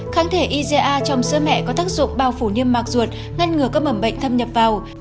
kháng thể iga trong sữa mẹ có tác dụng bao phủ niêm mạc ruột ngăn ngừa các mầm bệnh thâm nhập vào